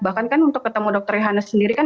bahkan kan untuk ketemu dokter yohannes sendiri kan